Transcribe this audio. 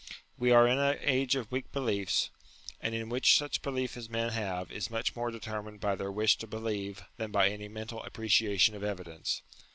We are in an age of weak beliefs, and in which such belief as men have is much more determined by their wish to be lieve than by any mental appreciation of evidence.